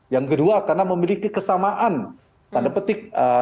yang kedua karena memiliki kesamaan tanda petik